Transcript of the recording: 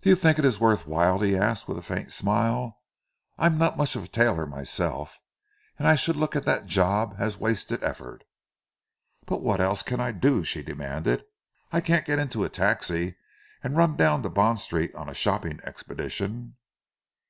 "Do you think it is worth while?" he asked with a faint smile. "I'm not much of a tailor myself; and I should look at that job as wasted effort." "But what else can I do?" she demanded. "I can't get in a taxi and run down to Bond Street on a shopping expedition."